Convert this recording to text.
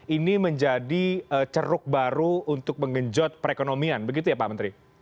ini menjadi ceruk baru untuk mengenjot perekonomian begitu ya pak menteri